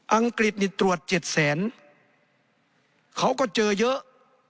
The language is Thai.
อังกฤษนี่ตรวจเจ็ดแสนเขาก็เจอเยอะ